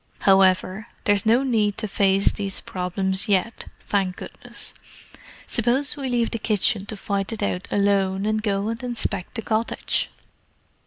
However, there's no need to face these problems yet, thank goodness. Suppose we leave the kitchen to fight it out alone, and go and inspect the cottage?"